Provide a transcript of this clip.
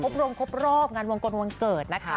รวมครบรอบงานวงกลวันเกิดนะคะ